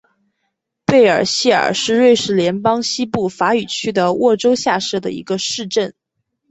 贝尔谢尔是瑞士联邦西部法语区的沃州下设的一个市镇。